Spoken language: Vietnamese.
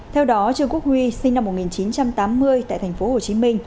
theo đó trương quốc huy sinh năm một nghìn chín trăm tám mươi tại tp hcm